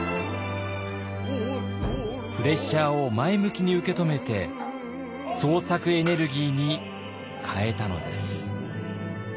プレッシャーを前向きに受け止めて創作エネルギーに変えたのです。